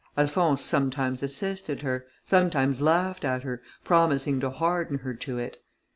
Alphonse sometimes assisted her; sometimes laughed at her, promising to harden her to it.